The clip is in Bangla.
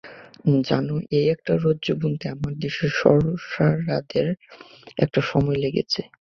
জানো এই একটা রজ্জু বুনতে আমার দেশের সর্সারারদের কতটা সময় লেগেছে?